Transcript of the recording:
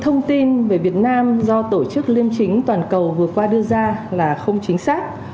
thông tin về việt nam do tổ chức liêm chính toàn cầu vừa qua đưa ra là không chính xác